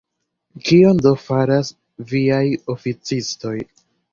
Kion do faras viaj oficistoj?